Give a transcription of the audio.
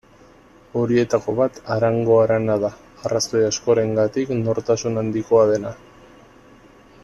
Horietako bat Arango harana da, arrazoi askorengatik nortasun handikoa dena.